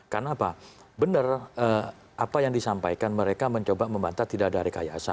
karena apa benar apa yang disampaikan mereka mencoba membantah tidak ada rekayasa